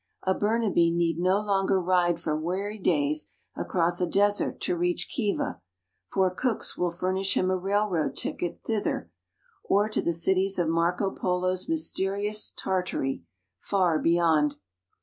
A Burnaby need no longer ride for weary days across a desert to reach Khiva, for Cook's will furnish him a railroad ticket thither, or to the cities of Marco Polo's mysterious Tartary, far beyond.